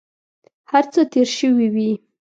هر څه تېر شوي وي.